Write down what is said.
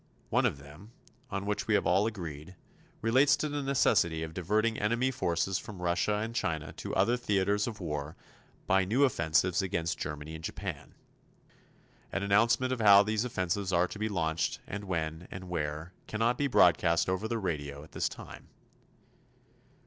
One of them on which we have all agreed relates to the necessity of diverting enemy forces from Russia and China to other theaters of war by new offensives against Germany and Japan. An announcement of how these offensives are to be launched, and when, and where, cannot be broadcast over the radio at this time.